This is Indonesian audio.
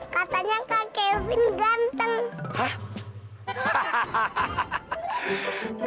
katanya kak kevin ganteng